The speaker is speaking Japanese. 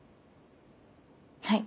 はい。